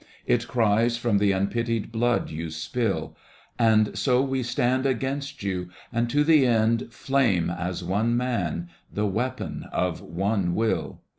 It cries from the unpitied blood you spill. And so we stand against you, and to the end Flame as one man, the weapon of one will.